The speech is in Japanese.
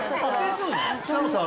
草野さん